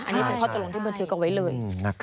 อันนี้เป็นข้อตกลงที่บันทึกเอาไว้เลย